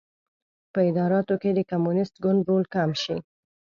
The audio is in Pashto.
په اداراتو کې د کمونېست ګوند رول کم شي.